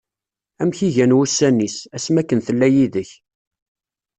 Amek i gan wussan-is, ass mi akken tella yid-k.